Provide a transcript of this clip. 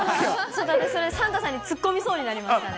それ、サンタさんにツッコみそうになりましたね。